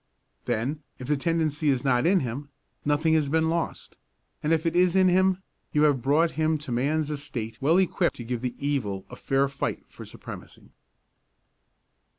Then, if the tendency is not in him, nothing has been lost, and if it is in him, you have brought him to man's estate well equipped to give the evil a fair fight for supremacy.